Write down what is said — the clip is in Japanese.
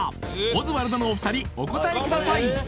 オズワルドのお二人お答えください